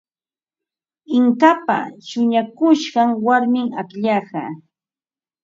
Inkapa shuñakushqan warmim akllaqa.